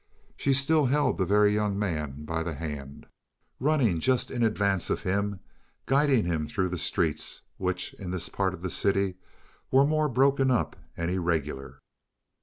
She still held the Very Young Man by the hand, running just in advance of him, guiding him through the streets, which in this part of the city were more broken up and irregular.